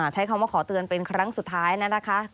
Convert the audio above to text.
ใช้คำว่าขอเตือนเป็นครั้งสุดท้ายนะคะ